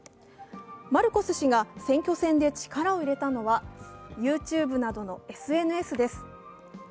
マルコス氏が選挙戦で力を入れたのはＹｏｕＴｕｂｅなどのＳＮＳです。